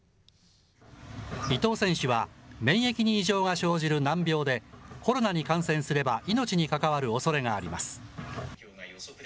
伊藤選手は免疫に異常が生じる難病で、コロナに感染すれば命にかかわるおそれがあります。